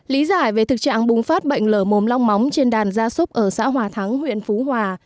lý giải về thực trạng bùng phát bệnh lở mồm long móng trên đàn gia súc ở xã hòa thắng huyện phú hòa